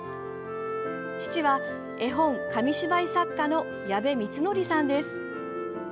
父は、絵本・紙芝居作家のやべみつのりさんです。